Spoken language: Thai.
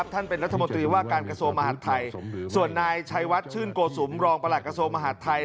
ท่านเป็นรัฐมนตรีว่าการกระทรวงมหาดไทยส่วนนายชัยวัดชื่นโกสุมรองประหลักกระทรวงมหาดไทย